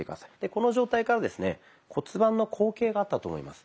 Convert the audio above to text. この状態からですね骨盤の後傾があったと思います。